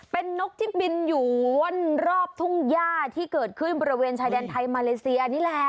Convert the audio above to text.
เป็นนกที่บินอยู่วนรอบทุ่งย่าที่เกิดขึ้นบริเวณชายแดนไทยมาเลเซียนี่แหละ